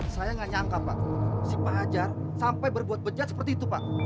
saya tidak nyangka pak si fajar sampai berbuat bejat seperti itu pak